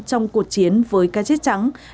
trong cuộc chiến với ca chết trắng